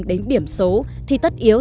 đến điểm số thì tất yếu